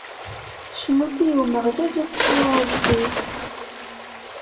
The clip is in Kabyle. Cnut i Umeɣlal asefru ajdid.